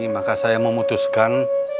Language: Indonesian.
maka saya memutuskan